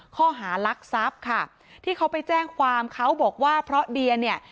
ข้อหารักทรัพย์ค่ะที่เขาไปแจ้งความเขาบอกว่าเพราะเดียเนี่ย